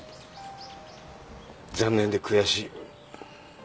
残念で悔しい。